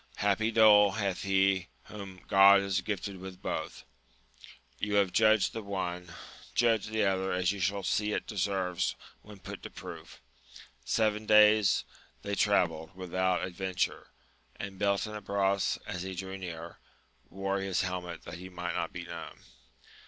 happy dole hath he whom God has gifted with both ! You have judged the one, judge the other as you shall see it deserves when put to proof. Seven days they travelled without adven ture, and Beltenebros, as he drew nearer, wore his helmet that he might not be known.